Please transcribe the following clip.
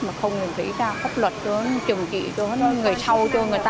mà không thể ra pháp luật chủng kỵ cho người sau cho người ta